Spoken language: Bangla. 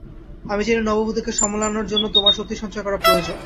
আমি জানি নববধূকে সামলানোর জন্য তোমার শক্তি সঞ্চয় করা প্রয়োজন।